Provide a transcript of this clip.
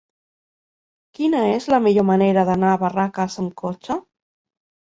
Quina és la millor manera d'anar a Barraques amb cotxe?